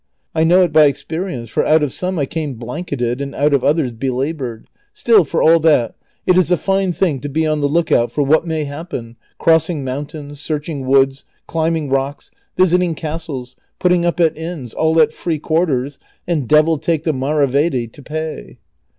I know it by experience, for out of some I came blanketed, and out of others belabored. Still, for all that, it is a fine thing to be on the lookout for what may happen, crossing mountains, search ing woofls, climbing rocks, visiting castles, putting up at inns, all at free quarters, and devil take the maravedi to pay."